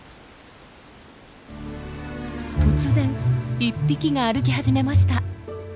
突然１匹が歩き始めました。